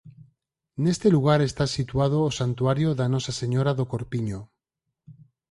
Neste lugar está situado o Santuario da Nosa Señora do Corpiño.